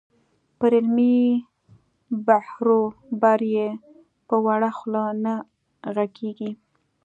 پر علمي بحروبر یې په وړه خوله نه غږېږې.